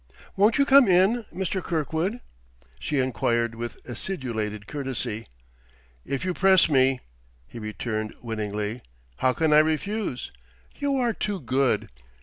"Won't you come in, Mr. Kirkwood?" she inquired with acidulated courtesy. "If you press me," he returned winningly, "how can I refuse? You are too good!"